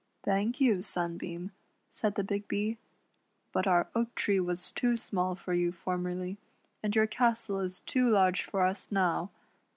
"Thank you, Sunbeam," said the Big Bee; "but our oak tree was too small for you formerly, and your castle is too large for us now.